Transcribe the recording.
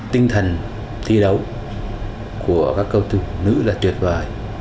tinh thần thi đấu của các cầu thủ nữ là tuyệt vời